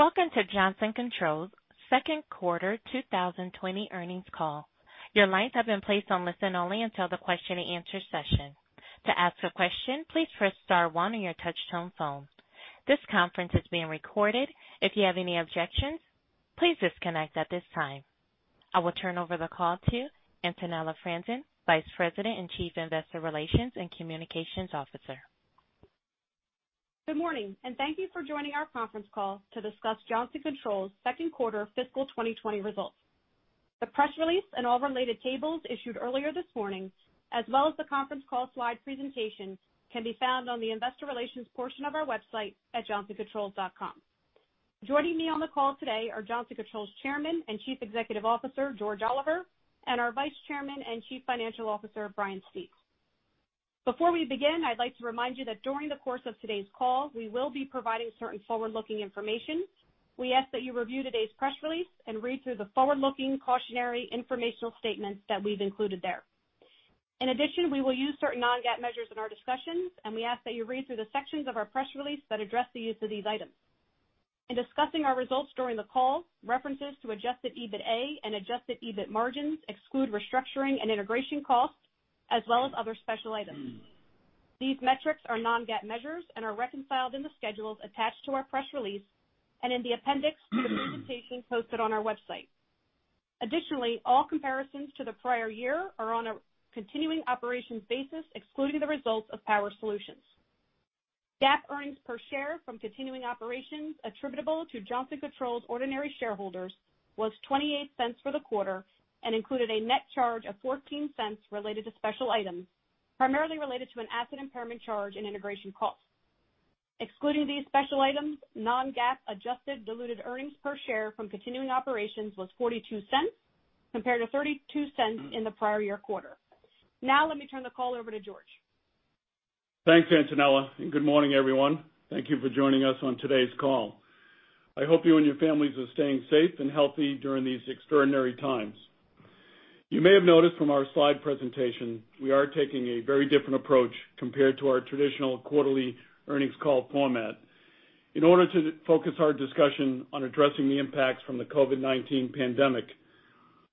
Welcome to Johnson Controls' second quarter 2020 earnings call. Your lines have been placed on listen-only until the question-and-answer session. To ask a question, please press star one on your touch-tone phone. This conference is being recorded. If you have any objections, please disconnect at this time. I will turn over the call to Antonella Franzen, Vice President and Chief Investor Relations and Communications Officer. Good morning, and thank you for joining our conference call to discuss Johnson Controls' second quarter fiscal 2020 results. The press release and all related tables issued earlier this morning, as well as the conference call slide presentation, can be found on the investor relations portion of our website at johnsoncontrols.com. Joining me on the call today are Johnson Controls' Chairman and Chief Executive Officer, George Oliver, and our Vice Chairman and Chief Financial Officer, Brian Stief. Before we begin, I'd like to remind you that during the course of today's call, we will be providing certain forward-looking information. We ask that you review today's press release and read through the forward-looking cautionary informational statements that we've included there. In addition, we will use certain non-GAAP measures in our discussions, and we ask that you read through the sections of our press release that address the use of these items. In discussing our results during the call, references to adjusted EBITDA and adjusted EBITDA margins exclude restructuring and integration costs, as well as other special items. These metrics are non-GAAP measures and are reconciled in the schedules attached to our press release and in the appendix to the presentation posted on our website. Additionally, all comparisons to the prior year are on a continuing operations basis, excluding the results of Power Solutions. GAAP earnings per share from continuing operations attributable to Johnson Controls' ordinary shareholders was $0.28 for the quarter and included a net charge of $0.14 related to special items, primarily related to an asset impairment charge and integration costs. Excluding these special items, non-GAAP adjusted diluted earnings per share from continuing operations was $0.42, compared to $0.32 in the prior year quarter. Now, let me turn the call over to George. Thanks, Antonella, and good morning, everyone. Thank you for joining us on today's call. I hope you and your families are staying safe and healthy during these extraordinary times. You may have noticed from our slide presentation, we are taking a very different approach compared to our traditional quarterly earnings call format. In order to focus our discussion on addressing the impacts from the COVID-19 pandemic,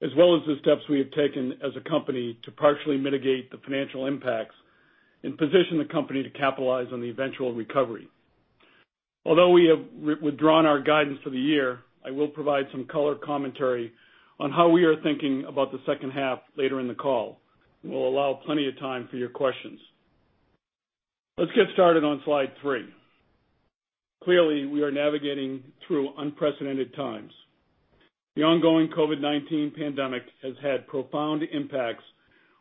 as well as the steps we have taken as a company to partially mitigate the financial impacts and position the company to capitalize on the eventual recovery. Although we have withdrawn our guidance for the year, I will provide some color commentary on how we are thinking about the second half later in the call. We'll allow plenty of time for your questions. Let's get started on slide three. Clearly, we are navigating through unprecedented times. The ongoing COVID-19 pandemic has had profound impacts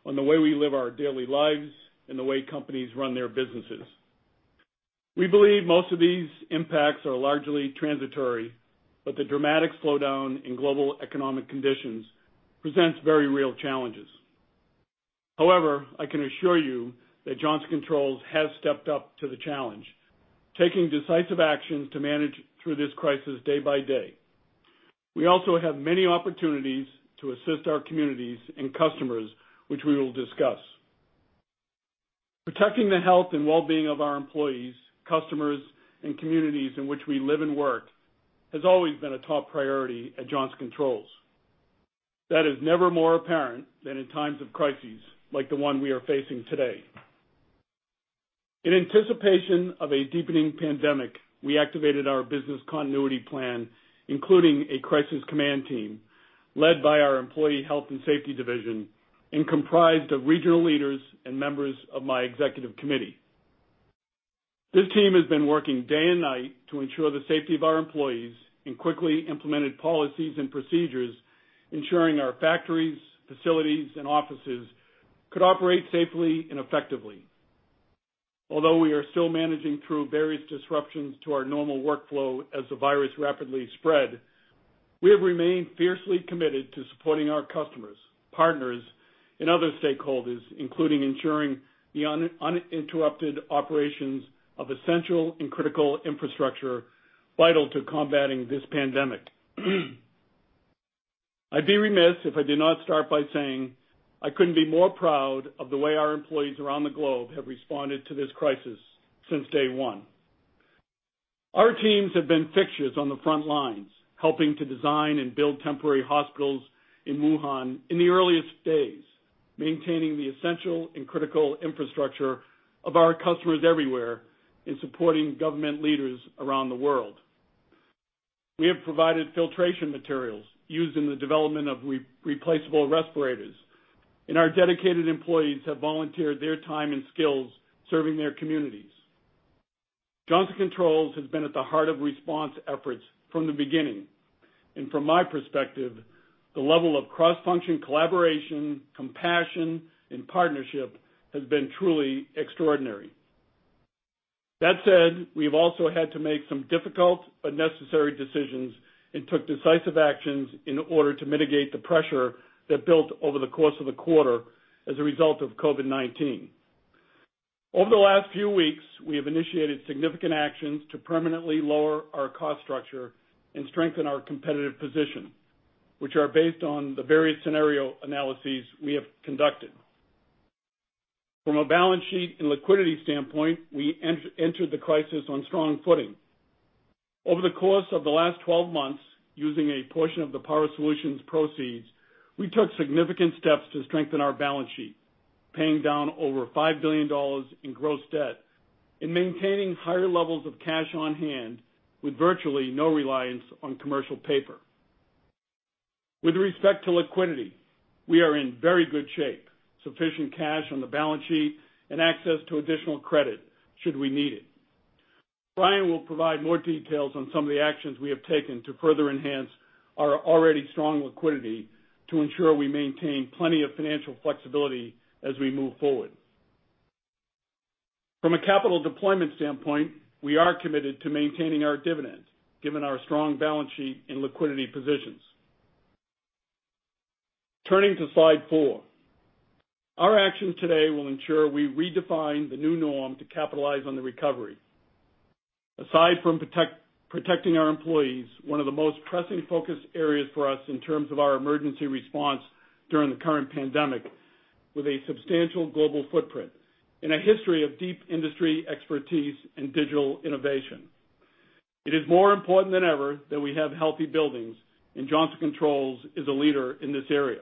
on the way we live our daily lives and the way companies run their businesses. We believe most of these impacts are largely transitory, but the dramatic slowdown in global economic conditions presents very real challenges. However, I can assure you that Johnson Controls has stepped up to the challenge, taking decisive actions to manage through this crisis day by day. We also have many opportunities to assist our communities and customers, which we will discuss. Protecting the health and well-being of our employees, customers, and communities in which we live and work has always been a top priority at Johnson Controls. That is never more apparent than in times of crises like the one we are facing today. In anticipation of a deepening pandemic, we activated our business continuity plan, including a crisis command team led by our employee health and safety division and comprised of regional leaders and members of my executive committee. This team has been working day and night to ensure the safety of our employees and quickly implemented policies and procedures, ensuring our factories, facilities, and offices could operate safely and effectively. Although we are still managing through various disruptions to our normal workflow as the virus rapidly spread, we have remained fiercely committed to supporting our customers, partners, and other stakeholders, including ensuring the uninterrupted operations of essential and critical infrastructure vital to combating this pandemic. I'd be remiss if I did not start by saying I couldn't be more proud of the way our employees around the globe have responded to this crisis since day one. Our teams have been fixtures on the front lines, helping to design and build temporary hospitals in Wuhan in the earliest days, maintaining the essential and critical infrastructure of our customers everywhere and supporting government leaders around the world. We have provided filtration materials used in the development of replaceable respirators, and our dedicated employees have volunteered their time and skills serving their communities. Johnson Controls has been at the heart of response efforts from the beginning, and from my perspective, the level of cross-functional collaboration, compassion, and partnership has been truly extraordinary. That said, we have also had to make some difficult but necessary decisions and took decisive actions in order to mitigate the pressure that built over the course of the quarter as a result of COVID-19. Over the last few weeks, we have initiated significant actions to permanently lower our cost structure and strengthen our competitive position, which are based on the various scenario analyses we have conducted. From a balance sheet and liquidity standpoint, we entered the crisis on strong footing. Over the course of the last 12 months, using a portion of the Power Solutions proceeds, we took significant steps to strengthen our balance sheet, paying down over $5 billion in gross debt and maintaining higher levels of cash on hand with virtually no reliance on commercial paper. With respect to liquidity, we are in very good shape, sufficient cash on the balance sheet and access to additional credit should we need it. Brian will provide more details on some of the actions we have taken to further enhance our already strong liquidity to ensure we maintain plenty of financial flexibility as we move forward. From a capital deployment standpoint, we are committed to maintaining our dividend, given our strong balance sheet and liquidity positions. Turning to slide four, our actions today will ensure we redefine the new norm to capitalize on the recovery. Aside from protecting our employees, one of the most pressing focus areas for us in terms of our emergency response during the current pandemic. With a substantial global footprint and a history of deep industry expertise and digital innovation, it is more important than ever that we have healthy buildings, and Johnson Controls is a leader in this area.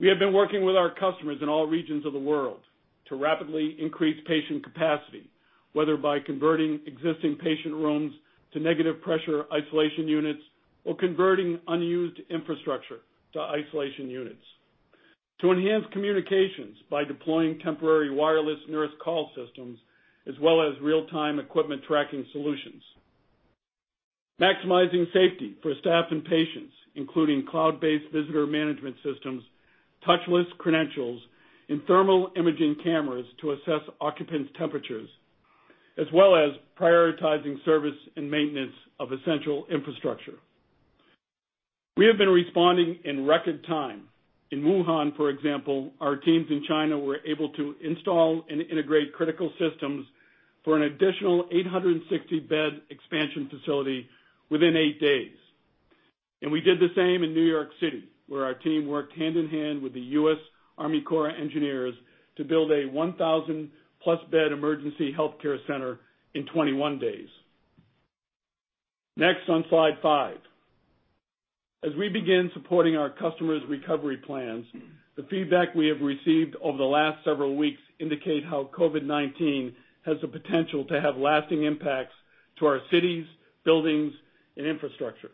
We have been working with our customers in all regions of the world to rapidly increase patient capacity, whether by converting existing patient rooms to negative pressure isolation units or converting unused infrastructure to isolation units, to enhance communications by deploying temporary wireless nurse call systems, as well as real-time equipment tracking solutions, maximizing safety for staff and patients, including cloud-based visitor management systems, touchless credentials, and thermal imaging cameras to assess occupants' temperatures, as well as prioritizing service and maintenance of essential infrastructure. We have been responding in record time. In Wuhan, for example, our teams in China were able to install and integrate critical systems for an additional 860-bed expansion facility within eight days. We did the same in New York City, where our team worked hand in hand with the U.S. Army Corps of Engineers to build a 1,000+ bed emergency healthcare center in 21 days. Next, on slide five, as we begin supporting our customers' recovery plans, the feedback we have received over the last several weeks indicates how COVID-19 has the potential to have lasting impacts to our cities, buildings, and infrastructure.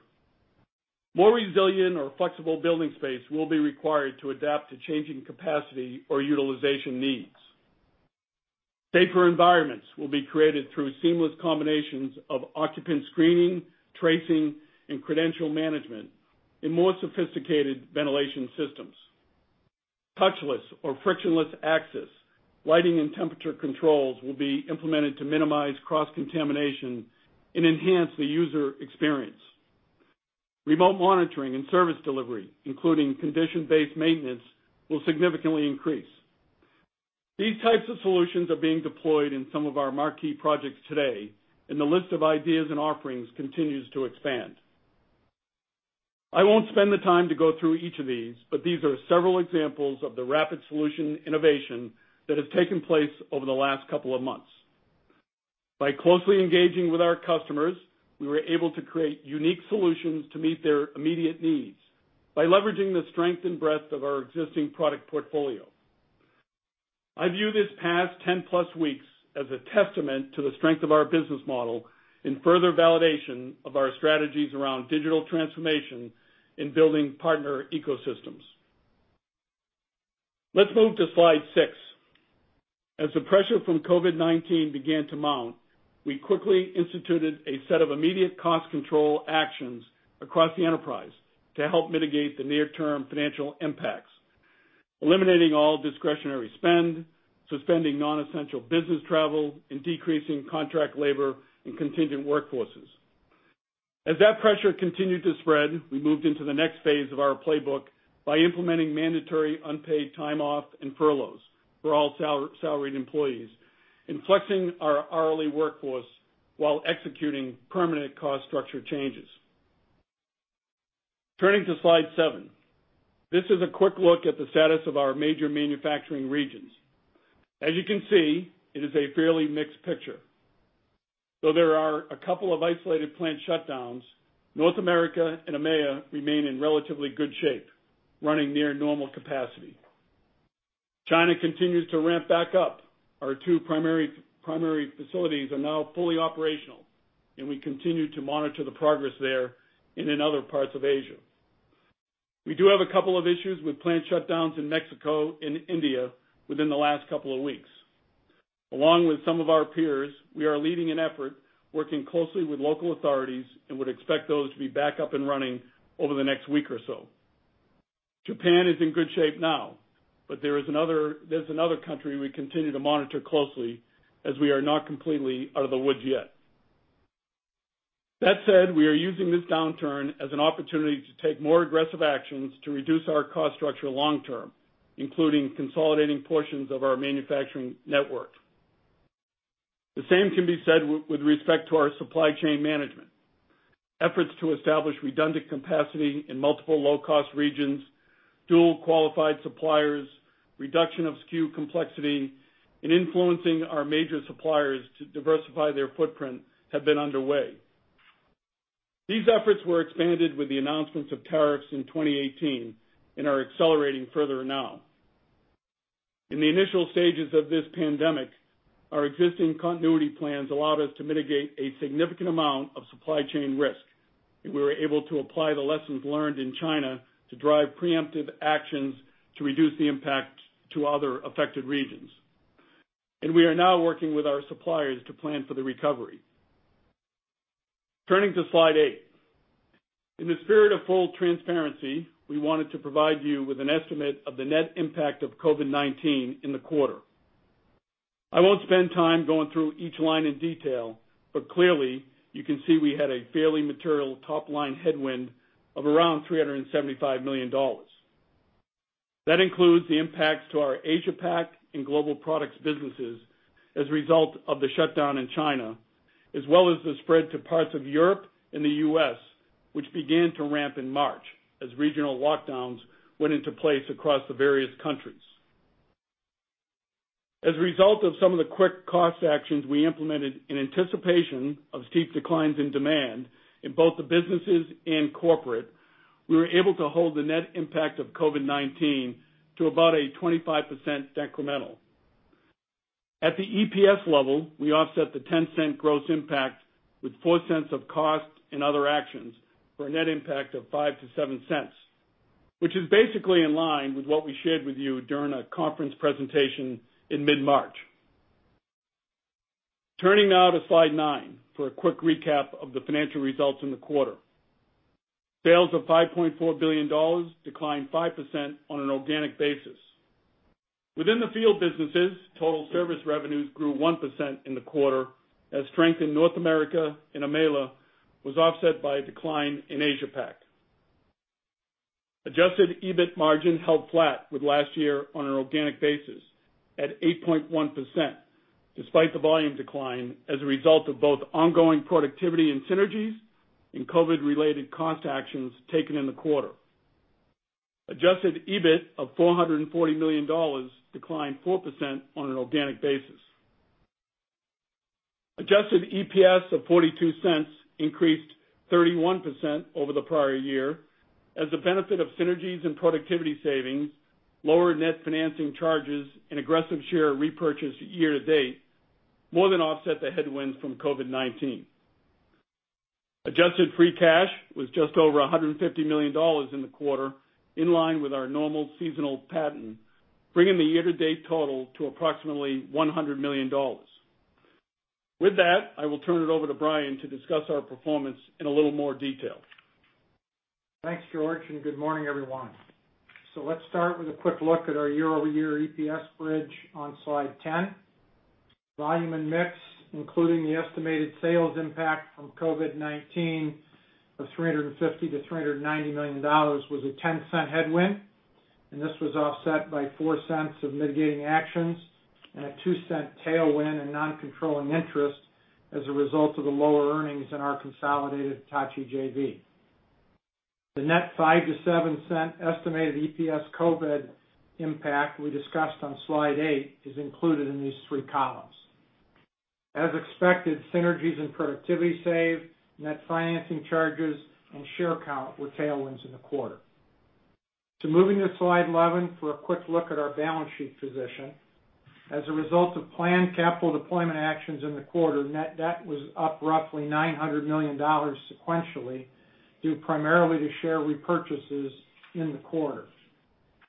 More resilient or flexible building space will be required to adapt to changing capacity or utilization needs. Safer environments will be created through seamless combinations of occupant screening, tracing, and credential management in more sophisticated ventilation systems. Touchless or frictionless access, lighting, and temperature controls will be implemented to minimize cross-contamination and enhance the user experience. Remote monitoring and service delivery, including condition-based maintenance, will significantly increase. These types of solutions are being deployed in some of our marquee projects today, and the list of ideas and offerings continues to expand. I won't spend the time to go through each of these, but these are several examples of the rapid solution innovation that has taken place over the last couple of months. By closely engaging with our customers, we were able to create unique solutions to meet their immediate needs by leveraging the strength and breadth of our existing product portfolio. I view this past 10 plus weeks as a testament to the strength of our business model and further validation of our strategies around digital transformation and building partner ecosystems. Let's move to slide six. As the pressure from COVID-19 began to mount, we quickly instituted a set of immediate cost control actions across the enterprise to help mitigate the near-term financial impacts, eliminating all discretionary spend, suspending non-essential business travel, and decreasing contract labor and contingent workforces. As that pressure continued to spread, we moved into the next phase of our playbook by implementing mandatory unpaid time off and furloughs for all salaried employees and flexing our hourly workforce while executing permanent cost structure changes. Turning to slide seven, this is a quick look at the status of our major manufacturing regions. As you can see, it is a fairly mixed picture. Though there are a couple of isolated plant shutdowns, North America and EMEA remain in relatively good shape, running near normal capacity. China continues to ramp back up. Our two primary facilities are now fully operational, and we continue to monitor the progress there and in other parts of Asia. We do have a couple of issues with plant shutdowns in Mexico and India within the last couple of weeks. Along with some of our peers, we are leading an effort working closely with local authorities and would expect those to be back up and running over the next week or so. Japan is in good shape now, but there is another country we continue to monitor closely as we are not completely out of the woods yet. That said, we are using this downturn as an opportunity to take more aggressive actions to reduce our cost structure long-term, including consolidating portions of our manufacturing network. The same can be said with respect to our supply chain management. Efforts to establish redundant capacity in multiple low-cost regions, dual qualified suppliers, reduction of SKU complexity, and influencing our major suppliers to diversify their footprint have been underway. These efforts were expanded with the announcements of tariffs in 2018 and are accelerating further now. In the initial stages of this pandemic, our existing continuity plans allowed us to mitigate a significant amount of supply chain risk, and we were able to apply the lessons learned in China to drive preemptive actions to reduce the impact to other affected regions, and we are now working with our suppliers to plan for the recovery. Turning to slide eight, in the spirit of full transparency, we wanted to provide you with an estimate of the net impact of COVID-19 in the quarter. I won't spend time going through each line in detail, but clearly, you can see we had a fairly material top-line headwind of around $375 million. That includes the impacts to our Asia-Pac and Global Products businesses as a result of the shutdown in China, as well as the spread to parts of Europe and the U.S., which began to ramp in March as regional lockdowns went into place across the various countries. As a result of some of the quick cost actions we implemented in anticipation of steep declines in demand in both the businesses and corporate, we were able to hold the net impact of COVID-19 to about a 25% decremental. At the EPS level, we offset the $0.10 gross impact with $0.04 of cost and other actions for a net impact of $0.05-$0.07, which is basically in line with what we shared with you during a conference presentation in mid-March. Turning now to slide nine for a quick recap of the financial results in the quarter. Sales of $5.4 billion declined 5% on an organic basis. Within the field businesses, total service revenues grew 1% in the quarter, as strength in North America and EMEA was offset by a decline in Asia-Pac. Adjusted EBITDA margin held flat with last year on an organic basis at 8.1%, despite the volume decline as a result of both ongoing productivity and synergies and COVID-related cost actions taken in the quarter. Adjusted EBITDA of $440 million declined 4% on an organic basis. Adjusted EPS of $0.42 increased 31% over the prior year, as the benefit of synergies and productivity savings, lower net financing charges, and aggressive share repurchase year to date more than offset the headwinds from COVID-19. Adjusted free cash was just over $150 million in the quarter, in line with our normal seasonal pattern, bringing the year-to-date total to approximately $100 million. With that, I will turn it over to Brian to discuss our performance in a little more detail. Thanks, George, and good morning, everyone. So let's start with a quick look at our year-over-year EPS bridge on slide 10. Volume and mix, including the estimated sales impact from COVID-19 of $350 million-$390 million, was a $0.10 headwind, and this was offset by $0.04 of mitigating actions and a $0.02 tailwind in non-controlling interest as a result of the lower earnings in our consolidated Hitachi JV. The net $0.05-$0.07 estimated EPS COVID impact we discussed on slide eight is included in these three columns. As expected, synergies and productivity savings, net financing charges, and share count were tailwinds in the quarter. So moving to slide 11 for a quick look at our balance sheet position. As a result of planned capital deployment actions in the quarter, net debt was up roughly $900 million sequentially, due primarily to share repurchases in the quarter.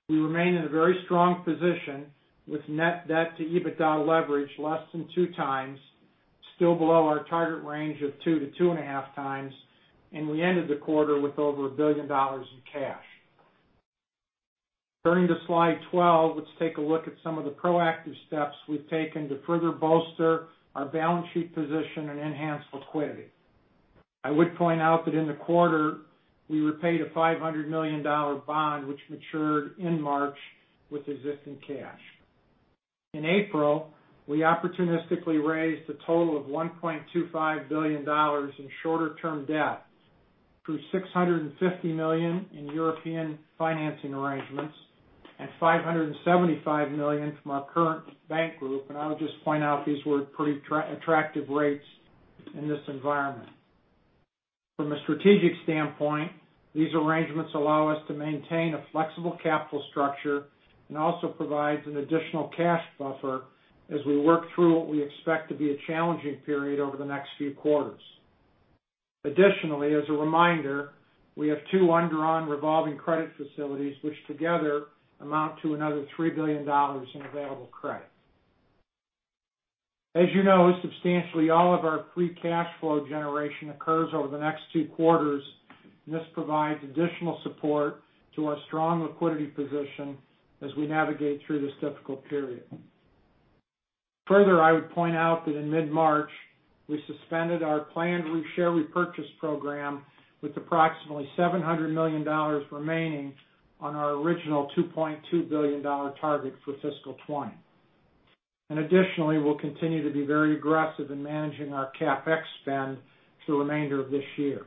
We remain in a very strong position with net debt to EBITDA leverage less than 2x, still below our target range of 2x-2.5x, and we ended the quarter with over $1 billion in cash. Turning to slide 12, let's take a look at some of the proactive steps we've taken to further bolster our balance sheet position and enhance liquidity. I would point out that in the quarter, we repaid a $500 million bond, which matured in March with existing cash. In April, we opportunistically raised a total of $1.25 billion in shorter-term debt through $650 million in European financing arrangements and $575 million from our current bank group, and I would just point out these were pretty attractive rates in this environment. From a strategic standpoint, these arrangements allow us to maintain a flexible capital structure and also provide an additional cash buffer as we work through what we expect to be a challenging period over the next few quarters. Additionally, as a reminder, we have two undrawn revolving credit facilities, which together amount to another $3 billion in available credit. As you know, substantially all of our free cash flow generation occurs over the next two quarters, and this provides additional support to our strong liquidity position as we navigate through this difficult period. Further, I would point out that in mid-March, we suspended our planned share repurchase program with approximately $700 million remaining on our original $2.2 billion target for fiscal 2020, and additionally, we'll continue to be very aggressive in managing our CapEx spend for the remainder of this year.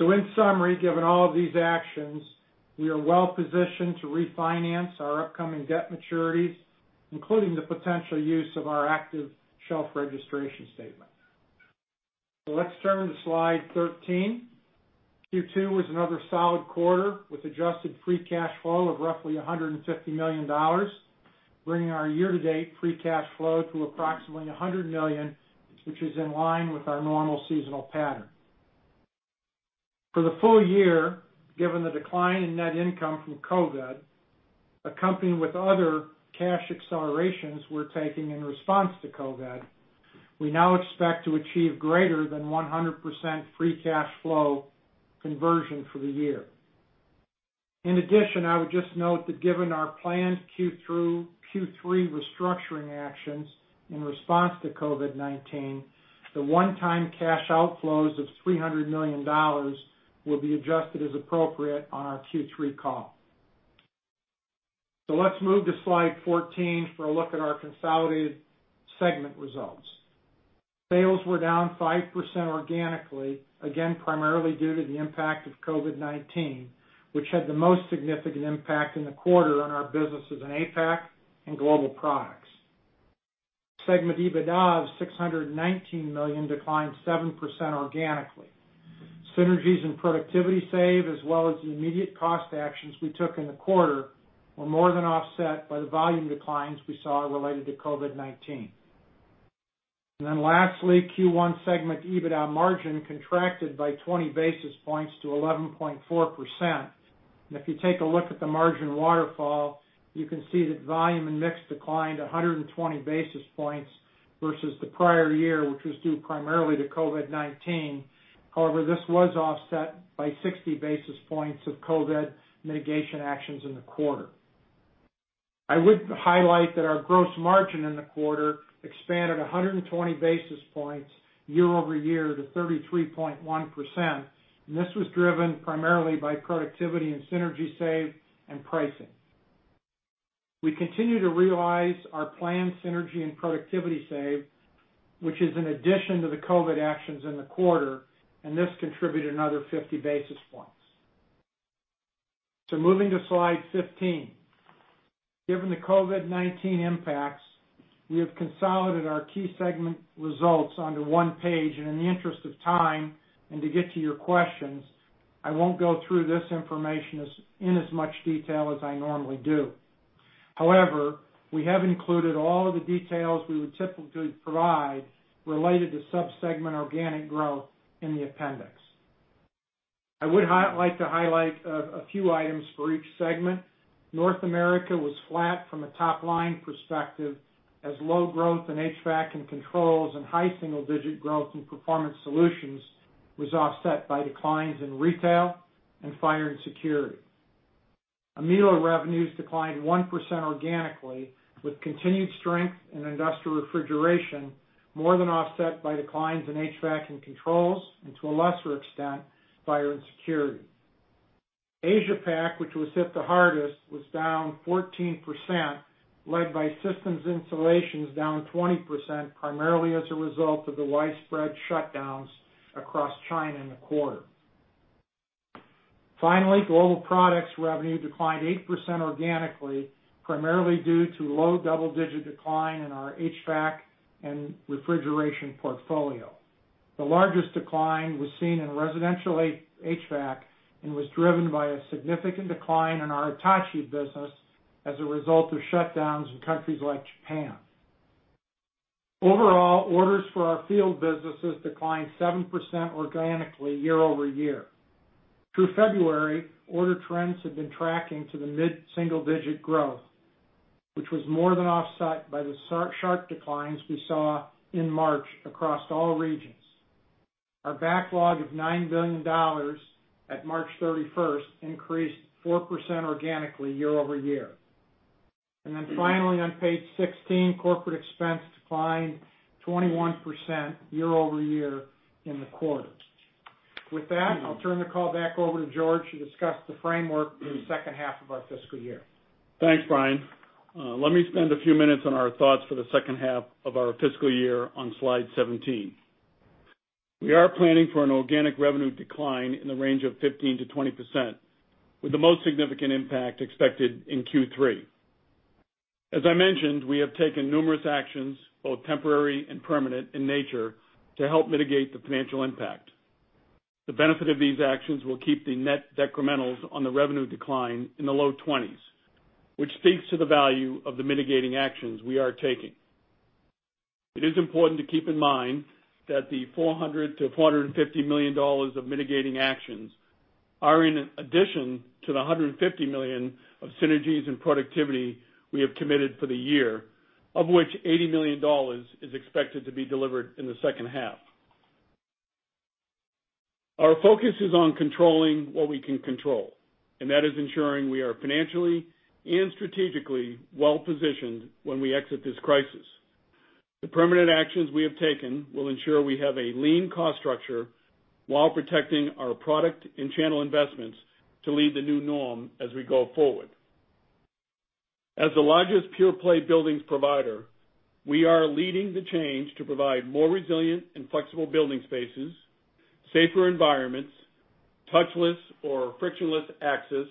In summary, given all of these actions, we are well positioned to refinance our upcoming debt maturities, including the potential use of our active shelf registration statement. Let's turn to slide 13. Q2 was another solid quarter with adjusted free cash flow of roughly $150 million, bringing our year-to-date free cash flow to approximately $100 million, which is in line with our normal seasonal pattern. For the full year, given the decline in net income from COVID, accompanied with other cash accelerations we're taking in response to COVID, we now expect to achieve greater than 100% free cash flow conversion for the year. In addition, I would just note that given our planned Q3 restructuring actions in response to COVID-19, the one-time cash outflows of $300 million will be adjusted as appropriate on our Q3 call. So let's move to slide 14 for a look at our consolidated segment results. Sales were down 5% organically, again, primarily due to the impact of COVID-19, which had the most significant impact in the quarter on our businesses in APAC and Global Products. Segment EBITDA of $619 million declined 7% organically. Synergies and productivity savings, as well as the immediate cost actions we took in the quarter, were more than offset by the volume declines we saw related to COVID-19. And then lastly, Q1 segment EBITDA margin contracted by 20 basis points to 11.4%. And if you take a look at the margin waterfall, you can see that volume and mix declined 120 basis points versus the prior year, which was due primarily to COVID-19. However, this was offset by 60 basis points of COVID mitigation actions in the quarter. I would highlight that our gross margin in the quarter expanded 120 basis points year-over-year to 33.1%, and this was driven primarily by productivity and synergy savings and pricing. We continue to realize our planned synergy and productivity savings, which is in addition to the COVID actions in the quarter, and this contributed another 50 basis points. So moving to slide 15. Given the COVID-19 impacts, we have consolidated our key segment results onto one page, and in the interest of time and to get to your questions, I won't go through this information in as much detail as I normally do. However, we have included all of the details we would typically provide related to subsegment organic growth in the appendix. I would like to highlight a few items for each segment. North America was flat from a top-line perspective as low growth in HVAC and Controls, and high single-digit growth in Performance Solutions was offset by declines in retail and Fire and Security. EMEA revenues declined 1% organically, with continued strength in Industrial Refrigeration more than offset by declines in HVAC and Controls, and to a lesser extent, Fire and Security. Asia-Pac, which was hit the hardest, was down 14%, led by systems installations down 20%, primarily as a result of the widespread shutdowns across China in the quarter. Finally, Global Products revenue declined 8% organically, primarily due to low double-digit decline in our HVAC and Refrigeration portfolio. The largest decline was seen in Residential HVAC and was driven by a significant decline in our Hitachi business as a result of shutdowns in countries like Japan. Overall, orders for our field businesses declined 7% organically year-over-year. Through February, order trends have been tracking to the mid-single-digit growth, which was more than offset by the sharp declines we saw in March across all regions. Our backlog of $9 billion at March 31st increased 4% organically year-over-year. And then finally, on page 16, corporate expense declined 21% year-over-year in the quarter. With that, I'll turn the call back over to George to discuss the framework for the second half of our fiscal year. Thanks, Brian. Let me spend a few minutes on our thoughts for the second half of our fiscal year on slide 17. We are planning for an organic revenue decline in the range of 15%-20%, with the most significant impact expected in Q3. As I mentioned, we have taken numerous actions, both temporary and permanent in nature, to help mitigate the financial impact. The benefit of these actions will keep the net decrementals on the revenue decline in the low 20s, which speaks to the value of the mitigating actions we are taking. It is important to keep in mind that the $400 million-$450 million of mitigating actions are in addition to the $150 million of synergies and productivity we have committed for the year, of which $80 million is expected to be delivered in the second half. Our focus is on controlling what we can control, and that is ensuring we are financially and strategically well positioned when we exit this crisis. The permanent actions we have taken will ensure we have a lean cost structure while protecting our product and channel investments to lead the new norm as we go forward. As the largest pure-play buildings provider, we are leading the change to provide more resilient and flexible building spaces, safer environments, touchless or frictionless access,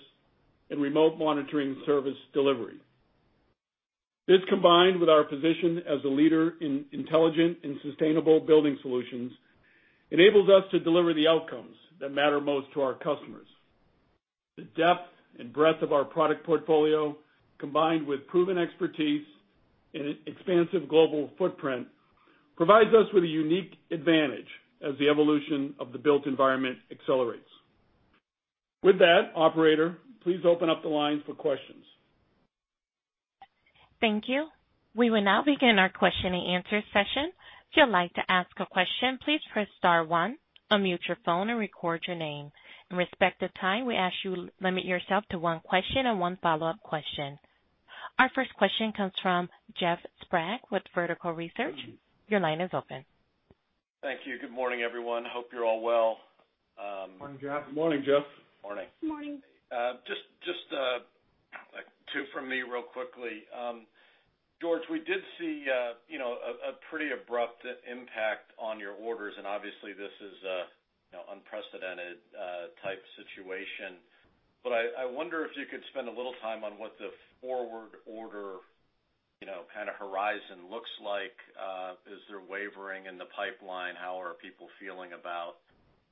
and remote monitoring service delivery. This, combined with our position as a leader in intelligent and sustainable building solutions, enables us to deliver the outcomes that matter most to our customers. The depth and breadth of our product portfolio, combined with proven expertise and expansive global footprint, provides us with a unique advantage as the evolution of the built environment accelerates. With that, Operator, please open up the lines for questions. Thank you. We will now begin our question-and-answer session. If you'd like to ask a question, please press star one, unmute your phone, and record your name. And respect the time, we ask you to limit yourself to one question and one follow-up question. Our first question comes from Jeff Sprague with Vertical Research. Your line is open. Thank you. Good morning, everyone. Hope you're all well. Morning, Jeff. Good morning, Jeff. Morning. Morning. Just two from me real quickly. George, we did see a pretty abrupt impact on your orders, and obviously, this is an unprecedented-type situation. But I wonder if you could spend a little time on what the forward-order kind of horizon looks like. Is there wavering in the pipeline? How are people feeling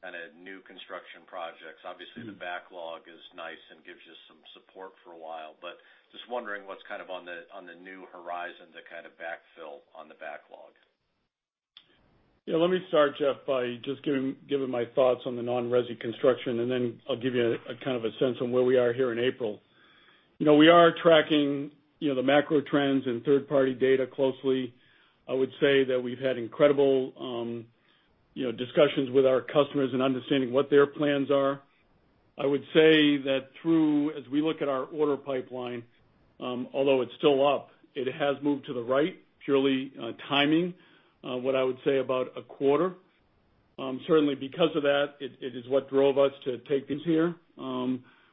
about kind of new construction projects? Obviously, the backlog is nice and gives you some support for a while, but just wondering what's kind of on the new horizon to kind of backfill on the backlog. Yeah. Let me start, Jeff, by just giving my thoughts on the non-residential construction, and then I'll give you a kind of a sense on where we are here in April. We are tracking the macro trends and third-party data closely. I would say that we've had incredible discussions with our customers and understanding what their plans are. I would say that through, as we look at our order pipeline, although it's still up, it has moved to the right purely timing, what I would say about a quarter. Certainly, because of that, it is what drove us to take this year,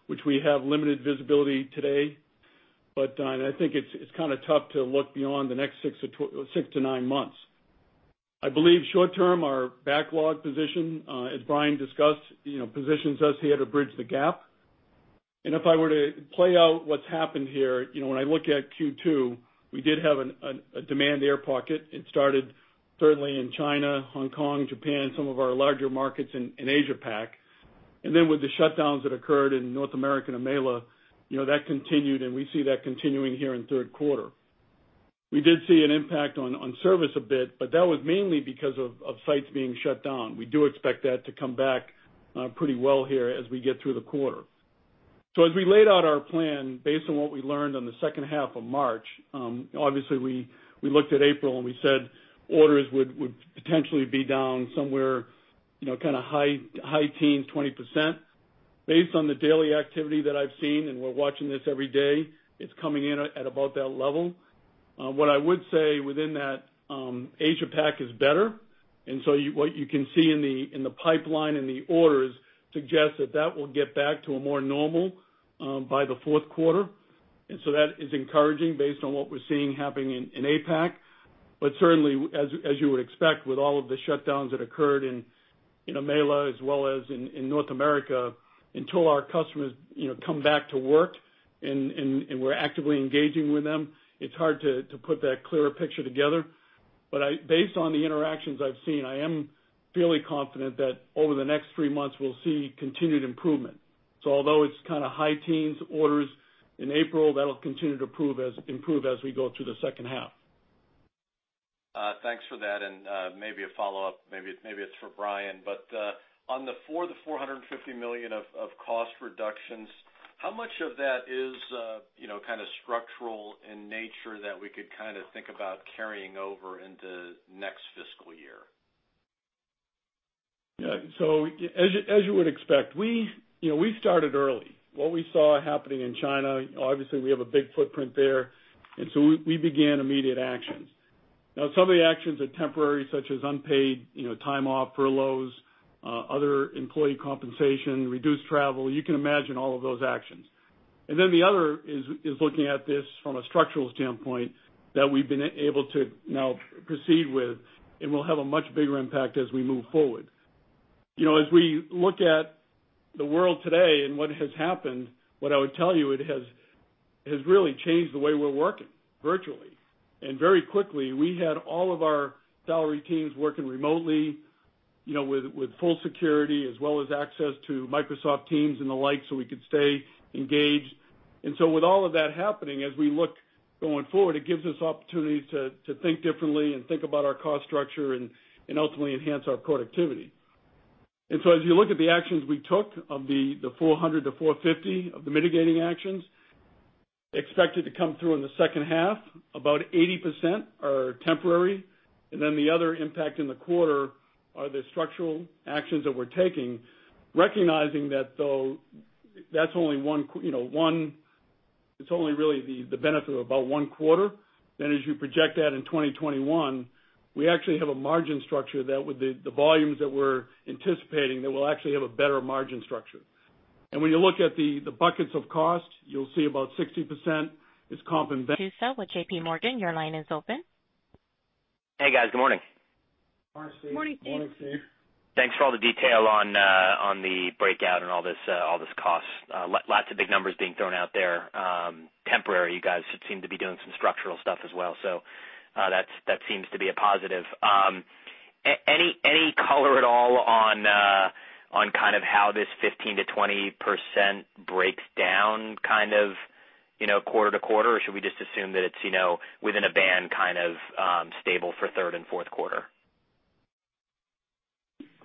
which we have limited visibility today, but I think it's kind of tough to look beyond the next six to nine months. I believe short-term, our backlog position, as Brian discussed, positions us here to bridge the gap, and if I were to play out what's happened here, when I look at Q2, we did have a demand air pocket. It started certainly in China, Hong Kong, Japan, some of our larger markets in Asia-Pac, and then with the shutdowns that occurred in North America and EMEA, that continued, and we see that continuing here in third quarter. We did see an impact on service a bit, but that was mainly because of sites being shut down. We do expect that to come back pretty well here as we get through the quarter. So as we laid out our plan based on what we learned on the second half of March, obviously, we looked at April and we said orders would potentially be down somewhere kind of high teens, 20%. Based on the daily activity that I've seen and we're watching this every day, it's coming in at about that level. What I would say within that, Asia-Pac is better. And so what you can see in the pipeline and the orders suggests that that will get back to a more normal by the fourth quarter. And so that is encouraging based on what we're seeing happening in APAC. But certainly, as you would expect with all of the shutdowns that occurred in EMEA as well as in North America, until our customers come back to work and we're actively engaging with them, it's hard to put that clearer picture together. Based on the interactions I've seen, I am fairly confident that over the next three months, we'll see continued improvement. So although it's kind of high teens orders in April, that'll continue to improve as we go through the second half. Thanks for that. Maybe a follow-up, maybe it's for Brian. On the $400 million-$450 million of cost reductions, how much of that is kind of structural in nature that we could kind of think about carrying over into next fiscal year? Yeah. So as you would expect, we started early. What we saw happening in China, obviously, we have a big footprint there, and so we began immediate actions. Now, some of the actions are temporary, such as unpaid time-off, furloughs, other employee compensation, reduced travel. You can imagine all of those actions, and then the other is looking at this from a structural standpoint that we've been able to now proceed with, and we'll have a much bigger impact as we move forward. As we look at the world today and what has happened, what I would tell you, it has really changed the way we're working virtually, and very quickly, we had all of our salary teams working remotely with full security as well as access to Microsoft Teams and the like so we could stay engaged. And so with all of that happening, as we look going forward, it gives us opportunities to think differently and think about our cost structure and ultimately enhance our productivity. And so as you look at the actions we took of the $400 million-$450 million of the mitigating actions, expected to come through in the second half, about 80% are temporary. And then the other impact in the quarter are the structural actions that we're taking, recognizing that though that's only one it's only really the benefit of about one quarter. Then as you project that in 2021, we actually have a margin structure that with the volumes that we're anticipating, that we'll actually have a better margin structure. And when you look at the buckets of cost, you'll see about 60% is comp and... Steve Tusa with JPMorgan. Your line is open. Hey, guys. Good morning. Good morning, Steve. Morning, Steve. Thanks for all the detail on the breakdown and all this cost. Lots of big numbers being thrown out there. Temporary, you guys seem to be doing some structural stuff as well. So that seems to be a positive. Any color at all on kind of how this 15%-20% breaks down kind of quarter-to-quarter, or should we just assume that it's within a band kind of stable for third and fourth quarter?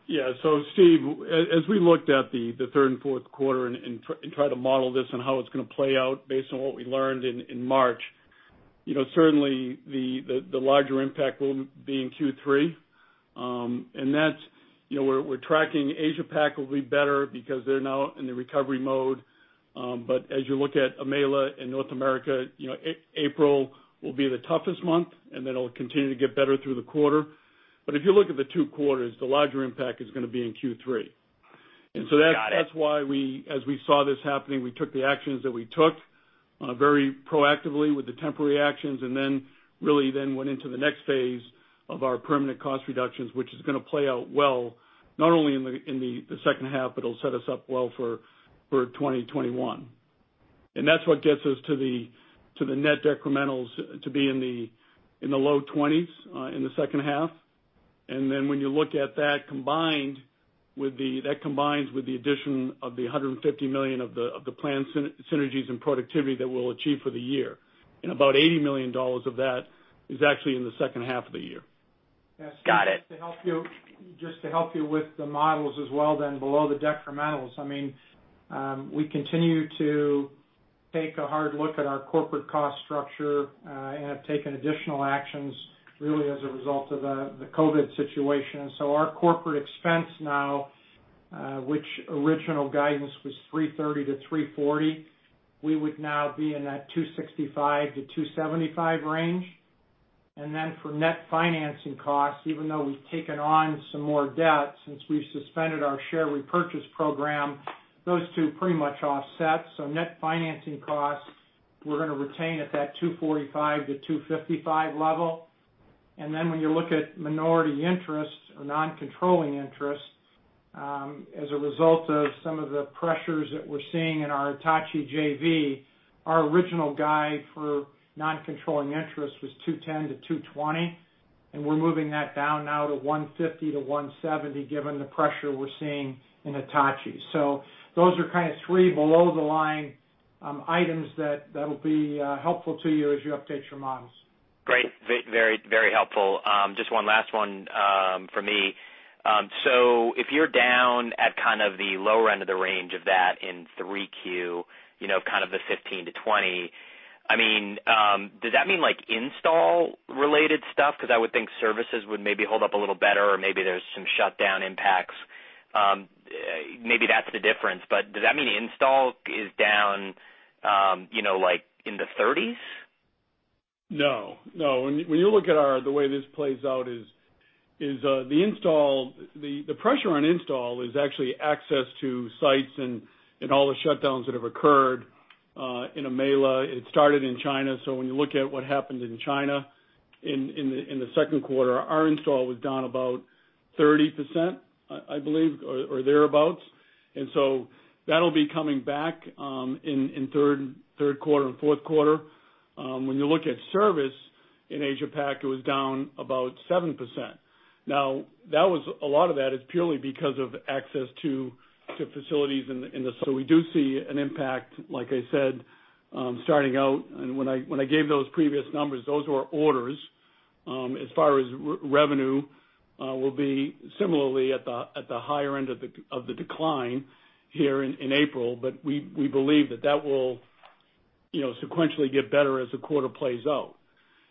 Yeah. So Steve, as we looked at the third and fourth quarter and tried to model this and how it's going to play out based on what we learned in March, certainly, the larger impact will be in Q3. And we're tracking Asia-Pac will be better because they're now in the recovery mode. But as you look at EMEA and North America, April will be the toughest month, and then it'll continue to get better through the quarter. But if you look at the two quarters, the larger impact is going to be in Q3. And so that's why we, as we saw this happening, we took the actions that we took very proactively with the temporary actions and then really then went into the next phase of our permanent cost reductions, which is going to play out well, not only in the second half, but it'll set us up well for 2021. And that's what gets us to the net decrementals to be in the low 20s in the second half. And then when you look at that, that combines with the addition of the $150 million of the planned synergies and productivity that we'll achieve for the year. And about $80 million of that is actually in the second half of the year. Got it. Just to help you with the models as well then below the decrementals, I mean, we continue to take a hard look at our corporate cost structure and have taken additional actions really as a result of the COVID situation. And so our corporate expense now, which original guidance was $330 million-$340 million, we would now be in that $265 million-$275 million range. And then for net financing costs, even though we've taken on some more debt since we've suspended our share repurchase program, those two pretty much offset. So net financing costs, we're going to retain at that $245 million-$255 million level. Then when you look at minority interest or non-controlling interest, as a result of some of the pressures that we're seeing in our Hitachi JV, our original guide for non-controlling interest was $210 million-$220 million, and we're moving that down now to $150 million-$170 million given the pressure we're seeing in Hitachi. So those are kind of three below-the-line items that'll be helpful to you as you update your models. Great. Very helpful. Just one last one for me. So if you're down at kind of the lower end of the range of that in 3Q, kind of the 15%-20%, I mean, does that mean install-related stuff? Because I would think services would maybe hold up a little better or maybe there's some shutdown impacts. Maybe that's the difference. But does that mean install is down in the 30s? No. No. When you look at the way this plays out, the pressure on install is actually access to sites and all the shutdowns that have occurred in EMEA. It started in China. So when you look at what happened in China in the second quarter, our install was down about 30%, I believe, or thereabouts, and so that'll be coming back in third quarter and fourth quarter. When you look at service in Asia-Pac, it was down about 7%. Now, a lot of that is purely because of access to facilities in the, so we do see an impact, like I said, starting out, and when I gave those previous numbers, those were orders. As far as revenue, we'll be similarly at the higher end of the decline here in April, but we believe that that will sequentially get better as the quarter plays out.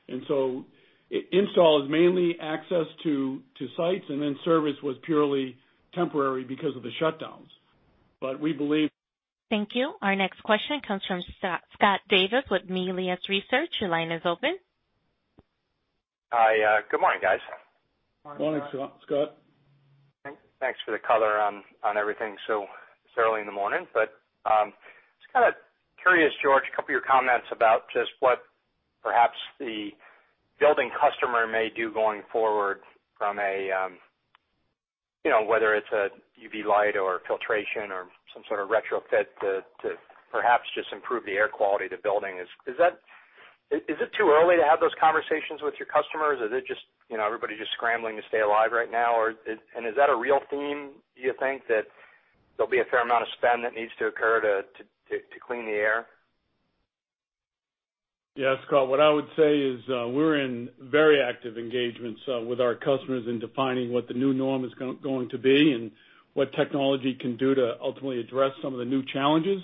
And so install is mainly access to sites, and then service was purely temporary because of the shutdowns. But we believe. Thank you. Our next question comes from Scott Davis with Melius Research. Your line is open. Hi. Good morning, guys. Morning, Scott. Thanks for the color on everything so early in the morning. But just kind of curious, George, a couple of your comments about just what perhaps the building customer may do going forward from whether it's a UV light or filtration or some sort of retrofit to perhaps just improve the air quality of the building. Is it too early to have those conversations with your customers? Is it just everybody just scrambling to stay alive right now? And is that a real theme, do you think, that there'll be a fair amount of spend that needs to occur to clean the air? Yeah, Scott. What I would say is we're in very active engagements with our customers in defining what the new norm is going to be and what technology can do to ultimately address some of the new challenges.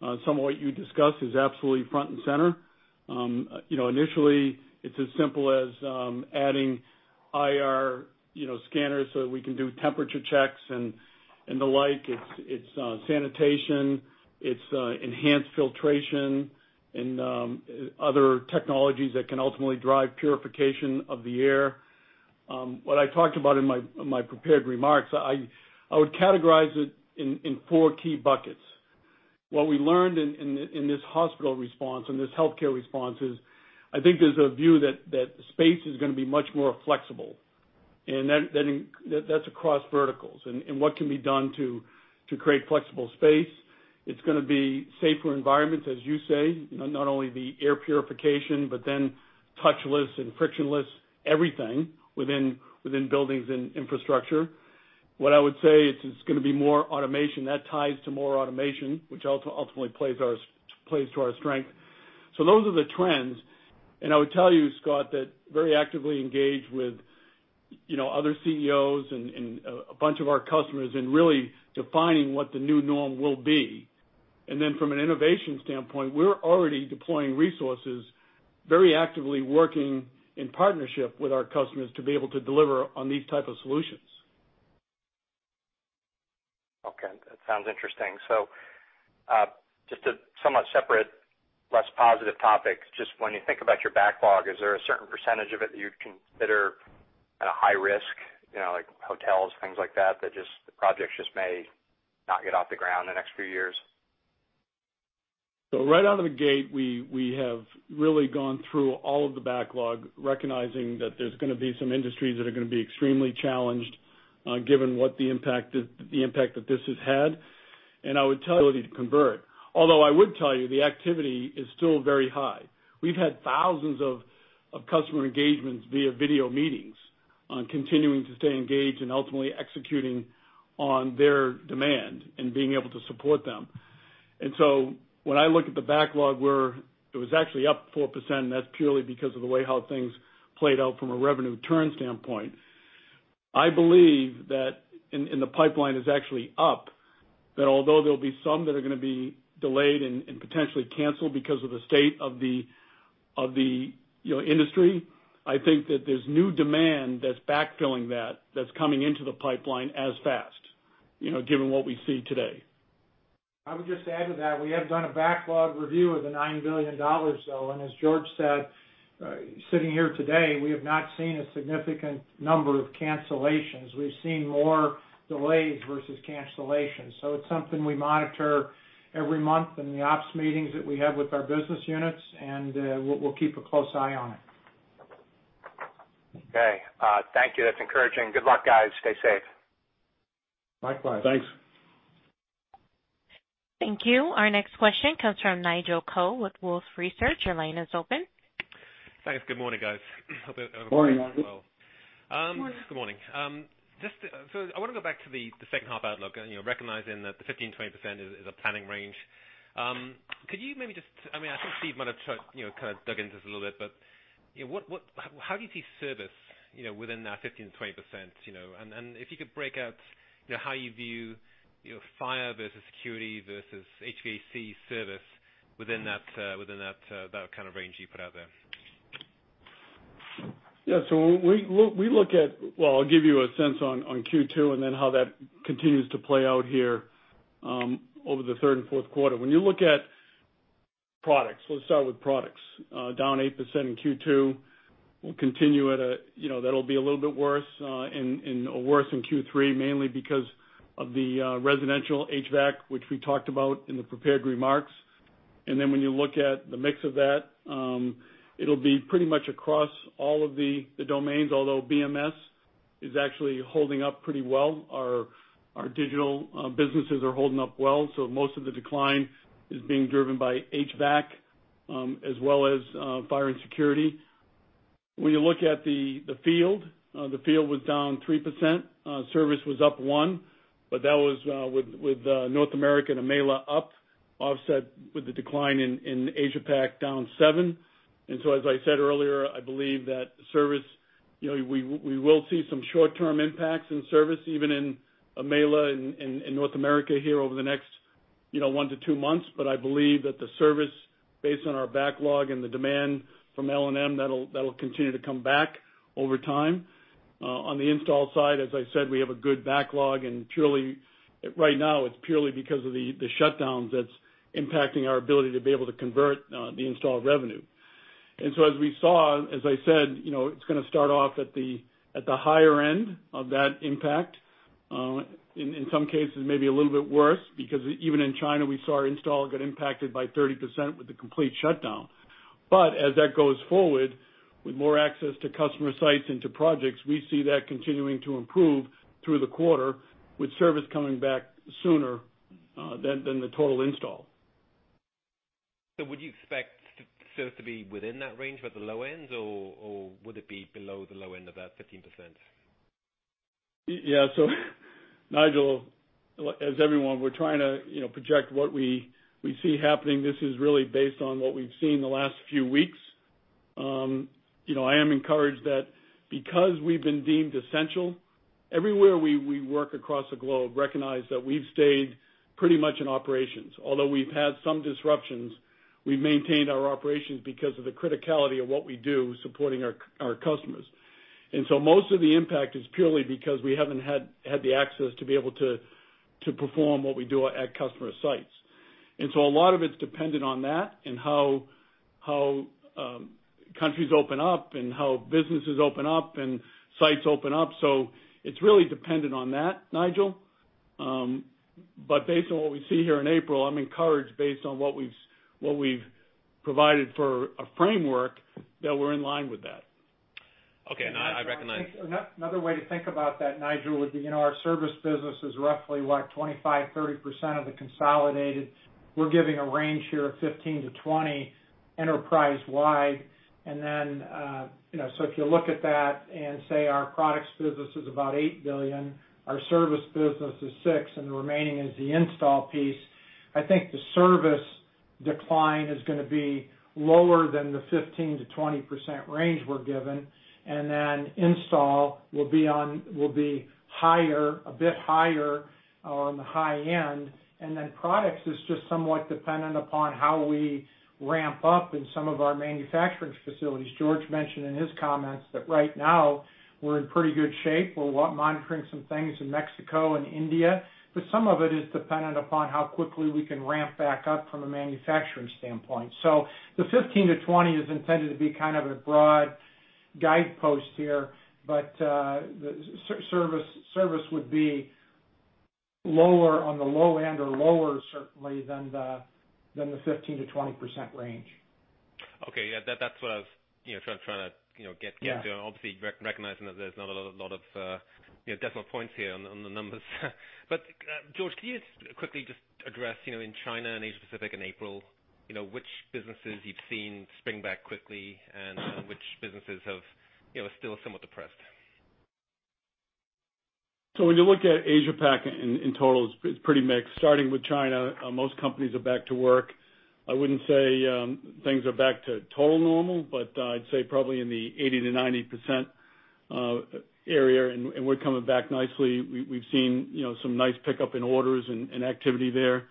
Some of what you discussed is absolutely front and center. Initially, it's as simple as adding IR scanners so that we can do temperature checks and the like. It's sanitation. It's enhanced filtration and other technologies that can ultimately drive purification of the air. What I talked about in my prepared remarks, I would categorize it in four key buckets. What we learned in this hospital response and this healthcare response is I think there's a view that space is going to be much more flexible, and that's across verticals. And what can be done to create flexible space? It's going to be safer environments, as you say, not only the air purification, but then touchless and frictionless, everything within buildings and infrastructure. What I would say is it's going to be more automation. That ties to more automation, which ultimately plays to our strength. So those are the trends. And I would tell you, Scott, that very actively engage with other CEOs and a bunch of our customers in really defining what the new norm will be. And then from an innovation standpoint, we're already deploying resources, very actively working in partnership with our customers to be able to deliver on these types of solutions. Okay. That sounds interesting. So just a somewhat separate, less positive topic. Just when you think about your backlog, is there a certain percentage of it that you'd consider kind of high risk, like hotels, things like that, that the projects just may not get off the ground in the next few years? So right out of the gate, we have really gone through all of the backlog, recognizing that there's going to be some industries that are going to be extremely challenged given what the impact that this has had. And I would tell you the ability to convert. Although I would tell you the activity is still very high. We've had thousands of customer engagements via video meetings, continuing to stay engaged and ultimately executing on their demand and being able to support them. So when I look at the backlog, it was actually up 4%, and that's purely because of the way how things played out from a revenue turn standpoint. I believe that in the pipeline is actually up, that although there'll be some that are going to be delayed and potentially canceled because of the state of the industry, I think that there's new demand that's backfilling that that's coming into the pipeline as fast, given what we see today. I would just add to that, we have done a backlog review of the $9 billion. And as George said, sitting here today, we have not seen a significant number of cancellations. We've seen more delays versus cancellations. So it's something we monitor every month in the ops meetings that we have with our business units, and we'll keep a close eye on it. Okay. Thank you. That's encouraging. Good luck, guys. Stay safe. Likewise. Thanks. Thank you. Our next question comes from Nigel Coe with Wolfe Research. Your line is open. Thanks. Good morning, guys. Good morning, Nigel. Good morning. So I want to go back to the second half outlook, recognizing that the 15%-20% is a planning range. Could you maybe just, I mean, I think Steve might have kind of dug into this a little bit, but how do you see service within that 15%-20%? And if you could break out how you view Fire versus Security versus HVAC service within that kind of range you put out there. Yeah. So we look at, well, I'll give you a sense on Q2 and then how that continues to play out here over the third and fourth quarter. When you look at products, let's start with products. Down 8% in Q2. We'll continue at that'll be a little bit worse in Q3, mainly because of the Residential HVAC, which we talked about in the prepared remarks. Then when you look at the mix of that, it'll be pretty much across all of the domains, although BMS is actually holding up pretty well. Our digital businesses are holding up well. Most of the decline is being driven by HVAC as well as Fire and Security. When you look at the field, the field was down 3%. Service was up 1%, but that was with North America and EMEA up, offset with the decline in Asia-Pac, down 7%. So, as I said earlier, I believe that service, we will see some short-term impacts in service, even in EMEA and North America here over the next one to two months. I believe that the service, based on our backlog and the demand from L&M, that'll continue to come back over time. On the install side, as I said, we have a good backlog, and right now, it's purely because of the shutdowns that's impacting our ability to be able to convert the install revenue. So, as we saw, as I said, it's going to start off at the higher end of that impact. In some cases, maybe a little bit worse because even in China, we saw our install get impacted by 30% with the complete shutdown. As that goes forward, with more access to customer sites and to projects, we see that continuing to improve through the quarter, with service coming back sooner than the total install. So would you expect service to be within that range, but the low end, or would it be below the low end of that 15%? Yeah. So, Nigel, as everyone, we're trying to project what we see happening. This is really based on what we've seen the last few weeks. I am encouraged that because we've been deemed essential, everywhere we work across the globe, recognize that we've stayed pretty much in operations. Although we've had some disruptions, we've maintained our operations because of the criticality of what we do supporting our customers. And so most of the impact is purely because we haven't had the access to be able to perform what we do at customer sites. And so a lot of it's dependent on that and how countries open up and how businesses open up and sites open up. So it's really dependent on that, Nigel. But based on what we see here in April, I'm encouraged based on what we've provided for a framework that we're in line with that. Okay. And I recognize Another way to think about that, Nigel, would be our service business is roughly what, 25%-30% of the consolidated. We're giving a range here of 15%-20% enterprise-wide. And then so if you look at that and say our products business is about $8 billion, our service business is $6 billion, and the remaining is the install piece, I think the service decline is going to be lower than the 15%-20% range we're giving. And then install will be higher, a bit higher on the high end. And then products is just somewhat dependent upon how we ramp up in some of our manufacturing facilities. George mentioned in his comments that right now we're in pretty good shape. We're monitoring some things in Mexico and India, but some of it is dependent upon how quickly we can ramp back up from a manufacturing standpoint. So the 15%-20% is intended to be kind of a broad guidepost here, but service would be lower on the low end or lower, certainly, than the 15%-20% range. Okay. Yeah. That's what I was trying to get to. Obviously, recognizing that there's not a lot of decimal points here on the numbers. But George, can you quickly just address in China and Asia-Pacific in April, which businesses you've seen spring back quickly and which businesses are still somewhat depressed? So when you look at Asia-Pac in total, it's pretty mixed. Starting with China, most companies are back to work. I wouldn't say things are back to total normal, but I'd say probably in the 80%-90% area. And we're coming back nicely. We've seen some nice pickup in orders and activity there.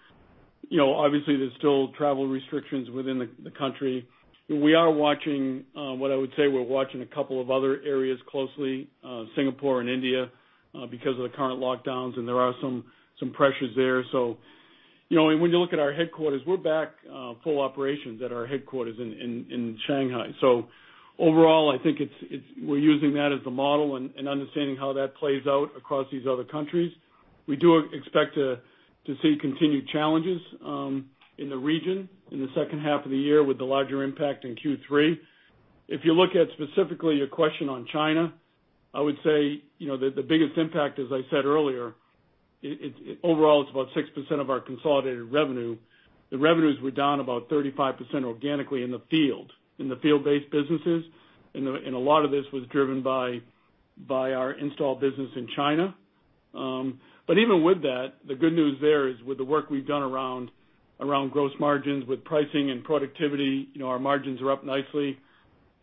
Obviously, there's still travel restrictions within the country. We are watching a couple of other areas closely, Singapore and India, because of the current lockdowns, and there are some pressures there. So when you look at our headquarters, we're back to full operations at our headquarters in Shanghai. So overall, I think we're using that as the model in understanding how that plays out across these other countries. We do expect to see continued challenges in the region in the second half of the year with the larger impact in Q3. If you look at specifically your question on China, I would say the biggest impact, as I said earlier, overall, it's about 6% of our consolidated revenue. The revenues were down about 35% organically in the field, in the field-based businesses, and a lot of this was driven by our install business in China, but even with that, the good news there is with the work we've done around gross margins, with pricing and productivity, our margins are up nicely,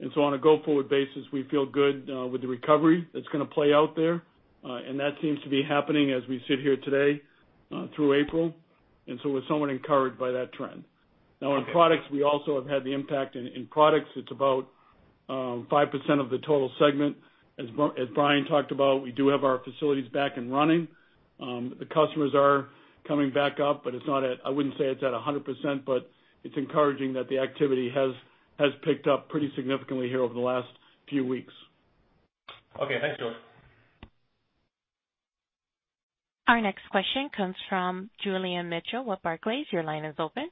and so on a go-forward basis, we feel good with the recovery that's going to play out there, and that seems to be happening as we sit here today through April, and so we're somewhat encouraged by that trend. Now, in products, we also have had the impact. In products, it's about 5% of the total segment. As Brian talked about, we do have our facilities back and running. The customers are coming back up, but it's not at, I wouldn't say it's at 100%, but it's encouraging that the activity has picked up pretty significantly here over the last few weeks. Okay. Thanks, George. Our next question comes from Julian Mitchell with Barclays. Your line is open.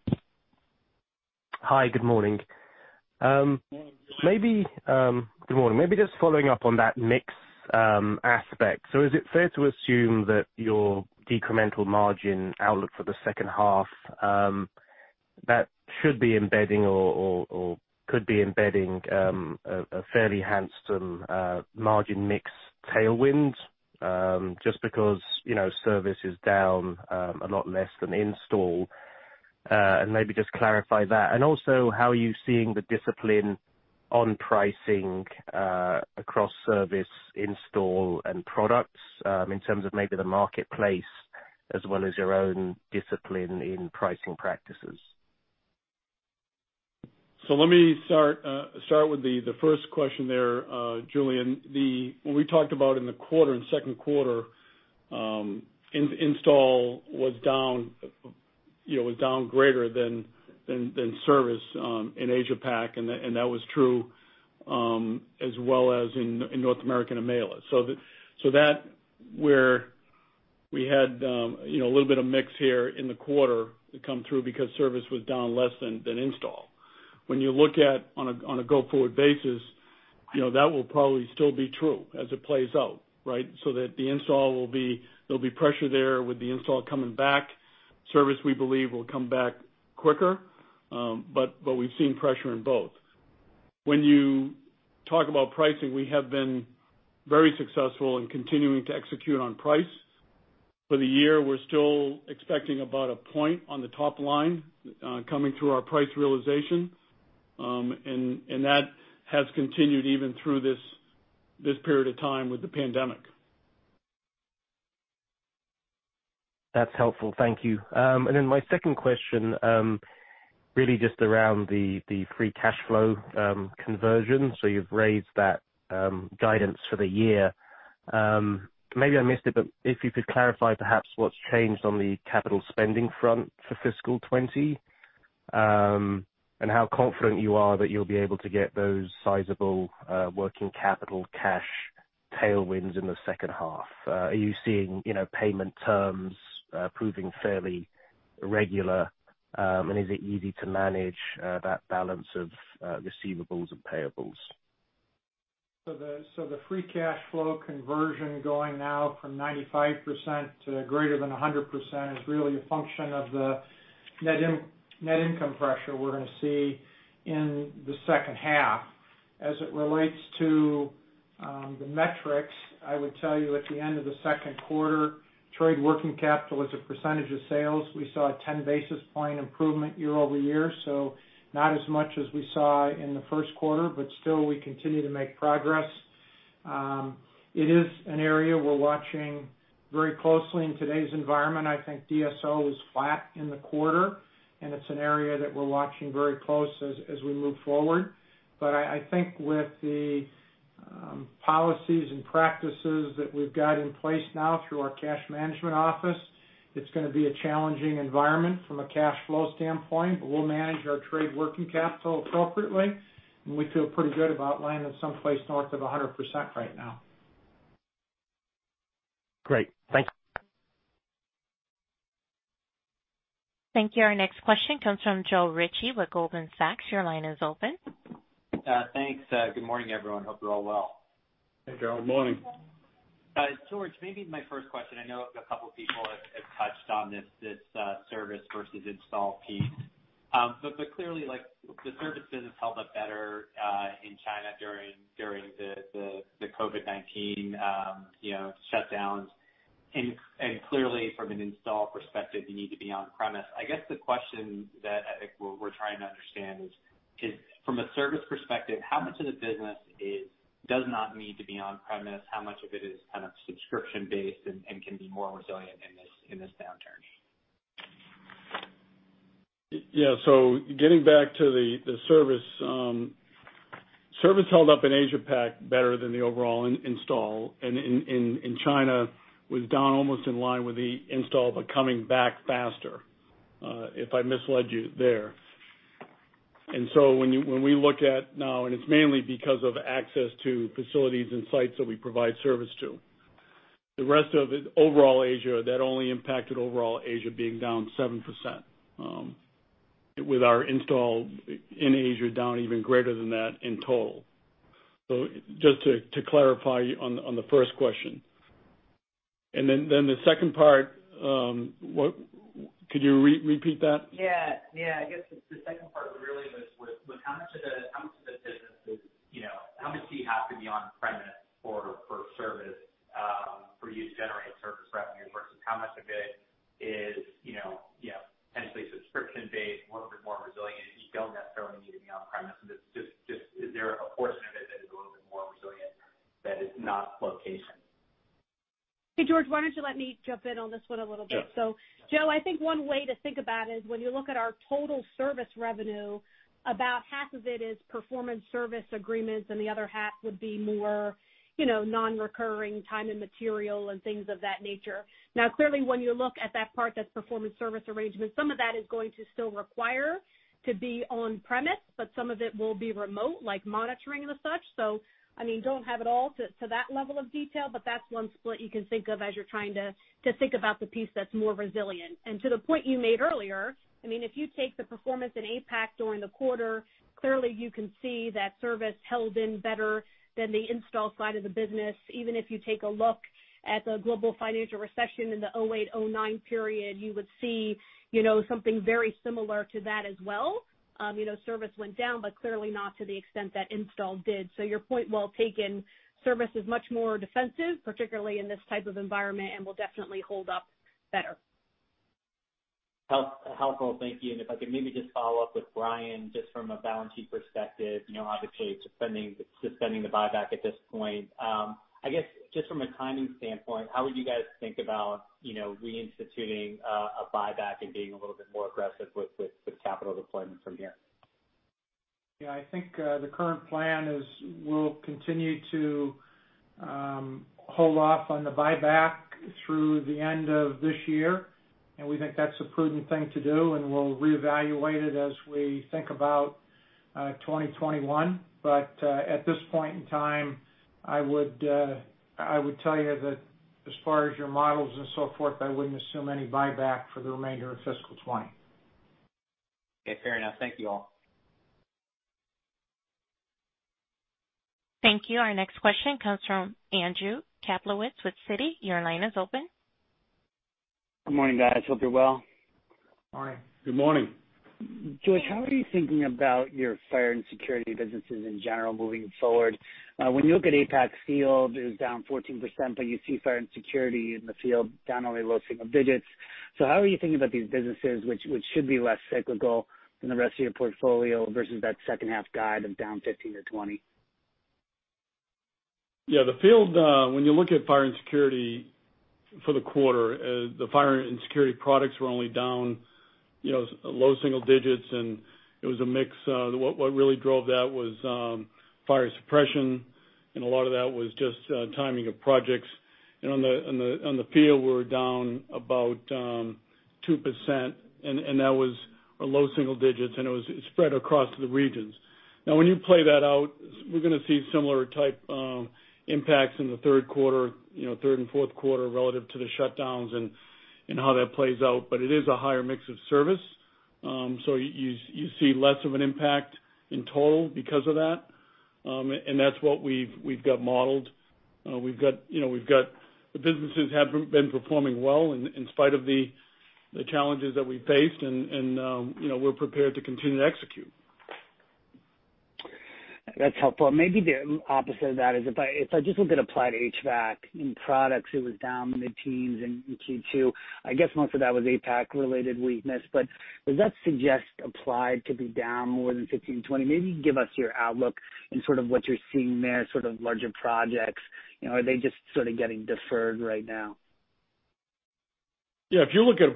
Hi. Good morning. Good morning. Good morning. Maybe just following up on that mixed aspect. So is it fair to assume that your decremental margin outlook for the second half, that should be embedding or could be embedding a fairly handsome margin mix tailwind just because service is down a lot less than install? And maybe just clarify that. And also, how are you seeing the discipline on pricing across service, install, and products in terms of maybe the marketplace as well as your own discipline in pricing practices? So let me start with the first question there, Julian. What we talked about in the quarter and second quarter, install was down greater than service in Asia-Pac, and that was true as well as in North America and EMEA. So that's where we had a little bit of mix here in the quarter come through because service was down less than install. When you look at on a go-forward basis, that will probably still be true as it plays out, right? So the install will be; there'll be pressure there with the install coming back. Service, we believe, will come back quicker, but we've seen pressure in both. When you talk about pricing, we have been very successful in continuing to execute on price. For the year, we're still expecting about a point on the top line coming through our price realization. And that has continued even through this period of time with the pandemic. That's helpful. Thank you. And then my second question, really just around the free cash flow conversion. So you've raised that guidance for the year. Maybe I missed it, but if you could clarify perhaps what's changed on the capital spending front for fiscal 2020 and how confident you are that you'll be able to get those sizable working capital cash tailwinds in the second half. Are you seeing payment terms proving fairly regular, and is it easy to manage that balance of receivables and payables? So the free cash flow conversion going now from 95% to greater than 100% is really a function of the net income pressure we're going to see in the second half. As it relates to the metrics, I would tell you at the end of the second quarter, trade working capital is a percentage of sales. We saw a 10 basis point improvement year-over-year, so not as much as we saw in the first quarter, but still, we continue to make progress. It is an area we're watching very closely in today's environment. I think DSO was flat in the quarter, and it's an area that we're watching very close as we move forward. But I think with the policies and practices that we've got in place now through our cash management office, it's going to be a challenging environment from a cash flow standpoint, but we'll manage our trade working capital appropriately. And we feel pretty good about lying in some place north of 100% right now. Great. Thanks. Thank you. Our next question comes from Joe Ritchie with Goldman Sachs. Your line is open. Thanks. Good morning, everyone. Hope you're all well. Hey, Joe. Good morning. George, maybe my first question. I know a couple of people have touched on this service versus install piece. But clearly, the service business held up better in China during the COVID-19 shutdowns. And clearly, from an install perspective, you need to be on-premise. I guess the question that we're trying to understand is, from a service perspective, how much of the business does not need to be on-premise? How much of it is kind of subscription-based and can be more resilient in this downturn? Yeah. So getting back to the service, service held up in Asia-Pac better than the overall install. And in China, it was down almost in line with the install but coming back faster, if I misled you there. And so when we look at now, and it's mainly because of access to facilities and sites that we provide service to. The rest of overall Asia, that only impacted overall Asia being down 7%, with our install in Asia down even greater than that in total. So just to clarify on the first question. And then the second part, could you repeat that? Yeah. Yeah. I guess the second part really was how much of the business is how much do you have to be on-premise for service for you to generate service revenue versus how much of it is potentially subscription-based, a little bit more resilient? You don't necessarily need to be on-premise. Just is there a portion of it that is a little bit more resilient that is not location? Hey, George, why don't you let me jump in on this one a little bit? Sure. So Joe, I think one way to think about it is when you look at our total service revenue, about half of it is performance service agreements, and the other half would be more non-recurring time and material and things of that nature. Now, clearly, when you look at that part that's performance service arrangement, some of that is going to still require to be on-premise, but some of it will be remote, like monitoring and such. So I mean, don't have it all to that level of detail, but that's one split you can think of as you're trying to think about the piece that's more resilient. And to the point you made earlier, I mean, if you take the performance in APAC during the quarter, clearly, you can see that service held in better than the install side of the business. Even if you take a look at the global financial recession in the 2008, 2009 period, you would see something very similar to that as well. Service went down, but clearly not to the extent that install did. So your point, well taken, service is much more defensive, particularly in this type of environment, and will definitely hold up better. Helpful. Thank you. And if I could maybe just follow up with Brian, just from a balance sheet perspective, obviously, suspending the buyback at this point. I guess just from a timing standpoint, how would you guys think about reinstituting a buyback and being a little bit more aggressive with capital deployment from here? Yeah. I think the current plan is we'll continue to hold off on the buyback through the end of this year. And we think that's a prudent thing to do, and we'll reevaluate it as we think about 2021. But at this point in time, I would tell you that as far as your models and so forth, I wouldn't assume any buyback for the remainder of fiscal 2020. Okay. Fair enough. Thank you all. Thank you. Our next question comes from Andrew Kaplowitz with Citi. Your line is open. Good morning, guys. Hope you're well. Morning. Good morning. George, how are you thinking about your Fire and Security businesses in general moving forward? When you look at APAC field, it is down 14%, but you see Fire and Security in the field down only low single digits. So how are you thinking about these businesses which should be less cyclical than the rest of your portfolio versus that second-half guide of down 15%-20%? Yeah. The field, when you look at Fire and Security for the quarter, the Fire and Security products were only down low single digits, and it was a mix. What really drove that was fire suppression, and a lot of that was just timing of projects. And on the field, we were down about 2%, and that was low single digits, and it was spread across the regions. Now, when you play that out, we're going to see similar type impacts in the third quarter, third and fourth quarter relative to the shutdowns and how that plays out. But it is a higher mix of service, so you see less of an impact in total because of that. And that's what we've got modeled. We've got the businesses have been performing well in spite of the challenges that we faced, and we're prepared to continue to execute. That's helpful. Maybe the opposite of that is if I just look at Applied HVAC and products, it was down mid-teens in Q2. I guess most of that was APAC-related weakness. But does that suggest applied to be down more than 15%-20%? Maybe give us your outlook and sort of what you're seeing there, sort of larger projects. Are they just sort of getting deferred right now? Yeah. If you look at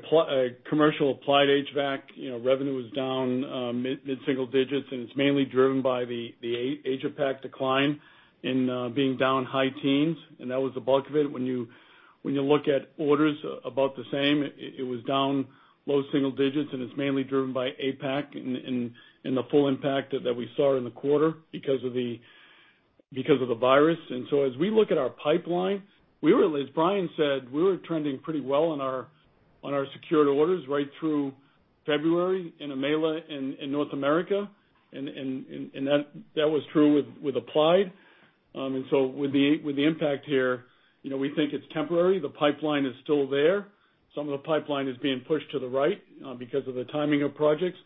commercial Applied HVAC, revenue was down mid-single digits, and it's mainly driven by the Asia-Pac decline and being down high teens. And that was the bulk of it. When you look at orders, about the same. It was down low single digits, and it's mainly driven by APAC and the full impact that we saw in the quarter because of the virus. And so as we look at our pipeline, as Brian said, we were trending pretty well on our secured orders right through February in EMEA in North America. And that was true with Applied. And so with the impact here, we think it's temporary. The pipeline is still there. Some of the pipeline is being pushed to the right because of the timing of projects.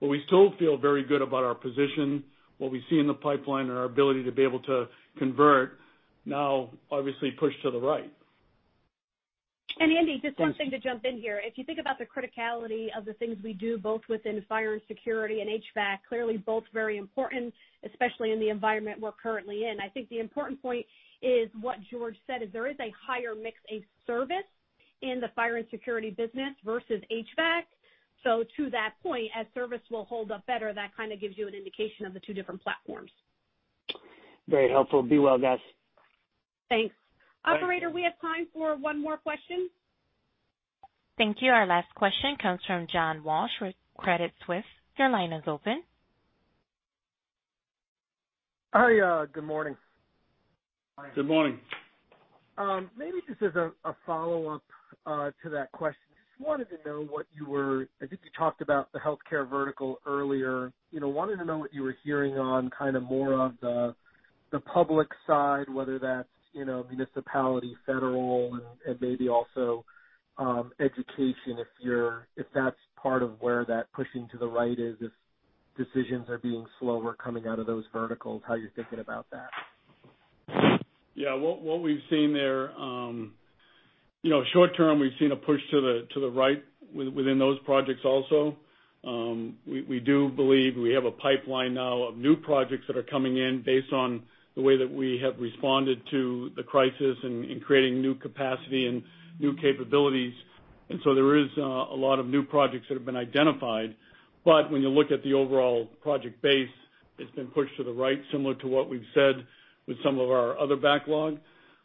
But we still feel very good about our position, what we see in the pipeline, and our ability to be able to convert now, obviously, pushed to the right. And Andy, just one thing to jump in here. If you think about the criticality of the things we do both within Fire and Security and HVAC, clearly both very important, especially in the environment we're currently in. I think the important point is what George said, is there is a higher mix of service in the Fire and Security business versus HVAC. So to that point, as service will hold up better, that kind of gives you an indication of the two different platforms. Very helpful. Be well, guys. Thanks. Operator, we have time for one more question. Thank you. Our last question comes from John Walsh with Credit Suisse. Your line is open. Hi. Good morning. Good morning. Maybe just as a follow-up to that question, just wanted to know what you were I think you talked about the healthcare vertical earlier. Wanted to know what you were hearing on kind of more of the public side, whether that's municipality, federal, and maybe also education, if that's part of where that pushing to the right is, if decisions are being slower coming out of those verticals, how you're thinking about that? Yeah. What we've seen there, short-term, we've seen a push to the right within those projects also. We do believe we have a pipeline now of new projects that are coming in based on the way that we have responded to the crisis and creating new capacity and new capabilities. And so there is a lot of new projects that have been identified. But when you look at the overall project base, it's been pushed to the right, similar to what we've said with some of our other backlog.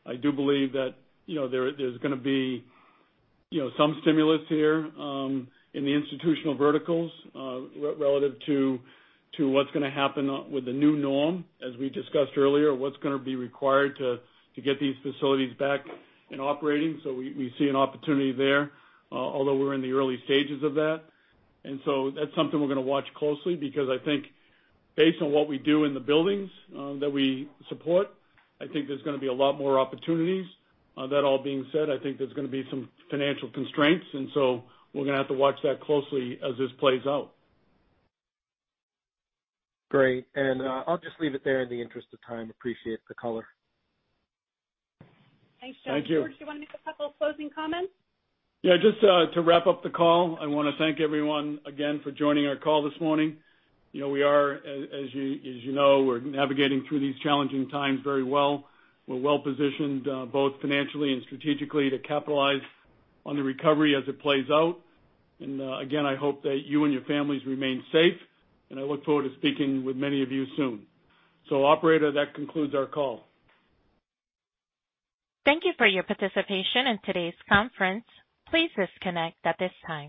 I do believe that there's going to be some stimulus here in the institutional verticals relative to what's going to happen with the new norm, as we discussed earlier, what's going to be required to get these facilities back in operating. So we see an opportunity there, although we're in the early stages of that. And so that's something we're going to watch closely because I think based on what we do in the buildings that we support, I think there's going to be a lot more opportunities. That all being said, I think there's going to be some financial constraints, and so we're going to have to watch that closely as this plays out. Great. And I'll just leave it there in the interest of time. Appreciate the color. Thanks, John. Thank you. George, do you want to make a couple of closing comments? Yeah. Just to wrap up the call, I want to thank everyone again for joining our call this morning. We are, as you know, navigating through these challenging times very well. We're well positioned both financially and strategically to capitalize on the recovery as it plays out. And again, I hope that you and your families remain safe, and I look forward to speaking with many of you soon. So, Operator, that concludes our call. Thank you for your participation in today's conference. Please disconnect at this time.